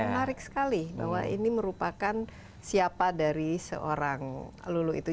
menarik sekali bahwa ini merupakan siapa dari seorang lulu itu